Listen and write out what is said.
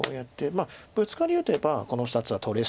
まあブツカリを打てばこの２つは取れそうですけど。